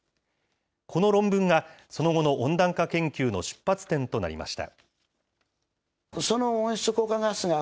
この論文が、その後の温暖化研究の出発点となりました。